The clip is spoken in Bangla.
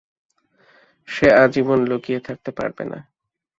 সে আজীবন লুকিয়ে থাকতে পারবে না।